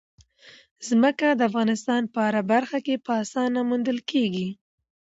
ځمکه د افغانستان په هره برخه کې په اسانۍ موندل کېږي.